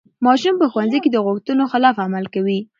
ماشوم په ښوونځي کې د غوښتنو خلاف عمل کوي.